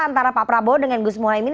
antara pak prabowo dengan gus muhaymin